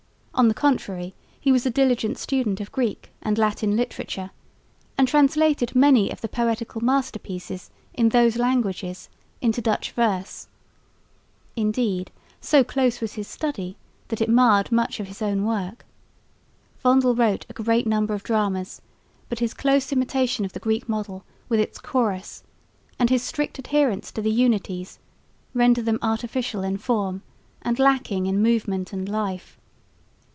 On the contrary he was a diligent student of Greek and Latin literature, and translated many of the poetical masterpieces in those languages into Dutch verse. Indeed so close was his study that it marred much of his own work. Vondel wrote a great number of dramas, but his close imitation of the Greek model with its chorus, and his strict adherence to the unities, render them artificial in form and lacking in movement and life.